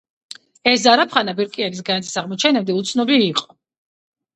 ეს ზარაფხანა ბირკიანის განძის აღმოჩენამდე უცნობი იყო.